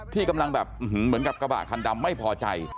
ที่กำลังแบบเหมือนกับกระบะคันดำไม่พอใจ